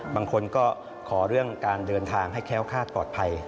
บางคนก็ขอเรื่องการเดินทางให้แค้วคาดปลอดภัย